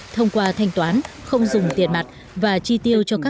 thông qua thanh toán không dùng tiền mặt và chi tiêu cho các nhà sản xuất